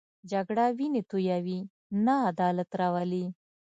جګړه وینې تویوي، نه عدالت راولي